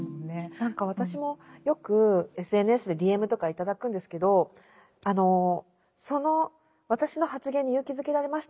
何か私もよくＳＮＳでＤＭとか頂くんですけど「私の発言に勇気づけられました」